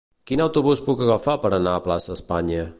Quin bus puc agafar per anar a Plaça Espanya?